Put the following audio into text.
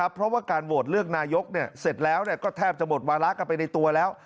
เพราะว่าการโหวตเลือกนายกเสร็จแล้วก็แทบจะหมดวาระกันไปในตัวแล้ว